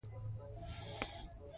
افغانستان له سلیمان غر ډک دی.